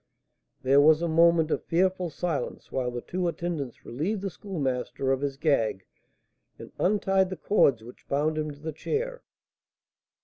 There was a moment of fearful silence while the two attendants relieved the Schoolmaster of his gag and untied the cords which bound him to the chair.